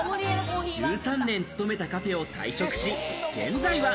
１３年勤めたカフェを退職し、現在は。